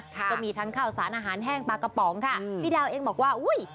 ก็มีทั้งข้าวสารอาหารแห้งปลากระป๋องค่ะพี่ดาวเองบอกว่าอุ้ย